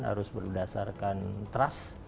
harus berdasarkan trust